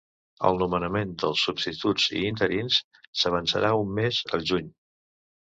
El nomenament dels substituts i interins s’avançarà un mes, al juny.